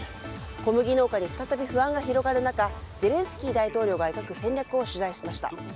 小麦農家に再び不安が広がる中ゼレンスキー大統領が描く戦略を取材しました。